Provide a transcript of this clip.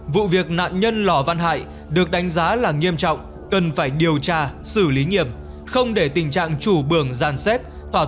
vụ việc nạn nhân lỏ văn hại được đánh giá là nghiêm trọng cần phải điều tra xử lý nghiệm không để tình trạng chủ bường gian xếp